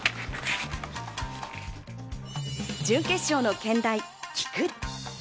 準決勝の兼題「菊」だ。